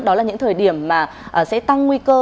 đó là những thời điểm mà sẽ tăng nguy cơ